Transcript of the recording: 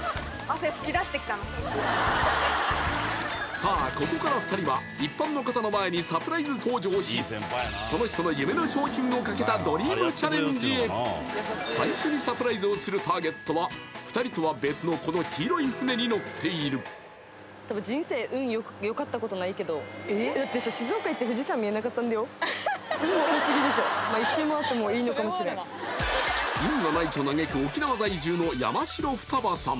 さあここから２人は一般の方の前にサプライズ登場しその人の最初にサプライズをするターゲットは２人とは別のこの黄色い船に乗っているそれはあるな運がないと嘆く沖縄在住の山城フタバさん